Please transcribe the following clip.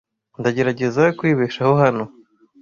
Ndagerageza kwibeshaho hano.